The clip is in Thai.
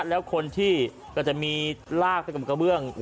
เป็นคนที่จะมีลากหลักกระเบื้อง